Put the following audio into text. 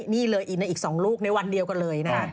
นี่เลยอีก๒ลูกในวันเดียวกันเลยนะ